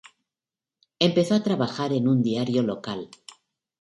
Empezó a trabajar en un diario local.